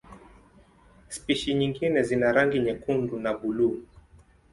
Spishi nyingine zina rangi nyekundu na buluu.